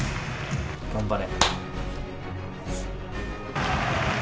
頑張れ。